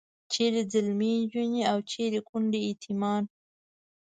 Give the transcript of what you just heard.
چیرې ځلمي نجونې او چیرې کونډې یتیمان.